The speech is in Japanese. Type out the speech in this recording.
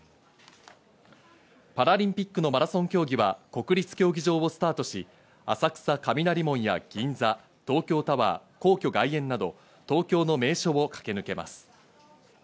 パラリンピックのマラソン競技は国立競技場をスタートし、浅草・雷門や銀座、東京タワー、皇居外苑など東京の名所を駆け抜けます。